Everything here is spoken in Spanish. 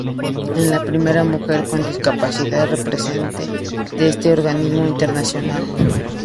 Es la primera mujer con discapacidad representante de este organismo internacional.